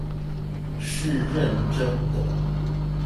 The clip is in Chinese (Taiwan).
是認真的